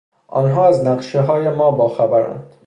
آنها از نقشههای ما باخبرند.